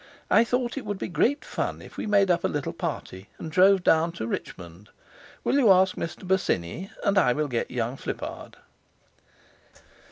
I thought it would be great fun if we made up a little party and drove down to, Richmond. Will you ask Mr. Bosinney, and I will get young Flippard.